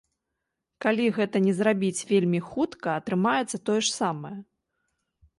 Калі гэтага не зрабіць вельмі хутка, атрымаецца тое ж самае.